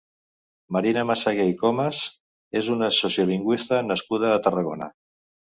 Marina Massaguer i Comes és una sociolingüista nascuda a Tarragona.